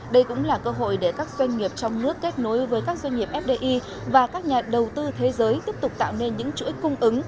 đây cũng là cơ hội để các doanh nghiệp trong nước kết nối với các doanh nghiệp fdi và các nhà đầu tư thế giới tiếp tục tạo nên những chuỗi cung ứng